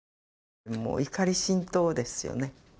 もう怒り心頭ですよね。